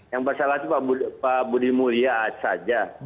yang bersalah itu pak budi mulya saja